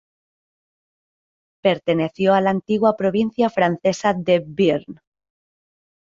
Perteneció a la antigua provincia francesa de Bearn.